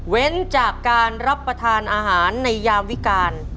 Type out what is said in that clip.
จากการรับประทานอาหารในยามวิการ